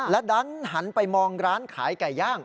และดันหันไปมองร้านขายไก่ย่าง